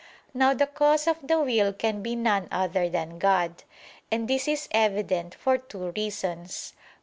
Now the cause of the will can be none other than God. And this is evident for two reasons.